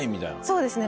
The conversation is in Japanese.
そうですね。